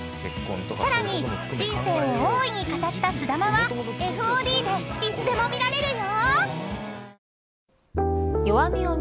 ［さらに人生を大いに語ったすだまはＦＯＤでいつでも見られるよ］